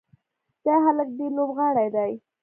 دا هلک ډېر لوبغاړی دی.